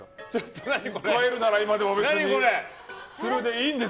変えるなら今でも。